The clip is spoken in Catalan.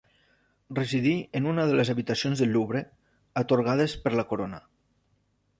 Residí en una de les habitacions del Louvre, atorgades per la Corona.